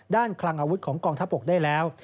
คลังอาวุธของกองทัพบกได้แล้ว